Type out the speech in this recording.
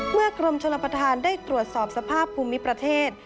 กรมชลประธานได้ตรวจสอบสภาพภูมิประเทศ